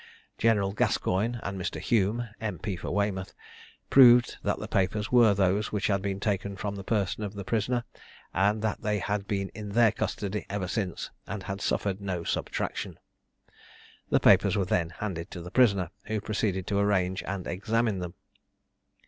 General Gascoigne and Mr. Hume (M. P. for Weymouth) proved that the papers were those which had been taken from the person of the prisoner, and that they had been in their custody ever since, and had suffered no subtraction. The papers were then handed to the prisoner, who proceeded to arrange and examine them.